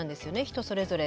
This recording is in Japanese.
人それぞれ。